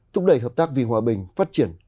thúc đẩy hợp tác vì hòa bình phát triển